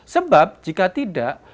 sebab jika tidak